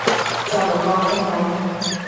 চলো বন্ধ হও।